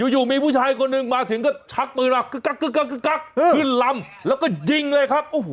อยู่มีผู้ชายคนหนึ่งมาถึงก็ชักปืนมากึ๊กขึ้นลำแล้วก็ยิงเลยครับ